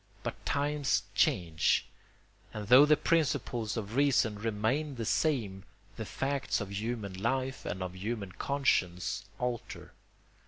But times change; and though the principles of reason remain the same the facts of human life and of human conscience alter.